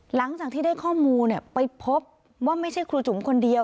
หลังจากที่ได้ข้อมูลไปพบว่าไม่ใช่ครูจุ๋มคนเดียว